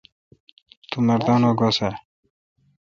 تو مردان وا گوسہ اؘ